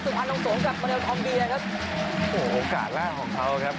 สุภัณฑ์ทั้งสองกับบริเวณทอมเบียครับโอ้โหโอกาสล่าของเขาครับ